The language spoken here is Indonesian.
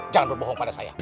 jangan berbohong pada saya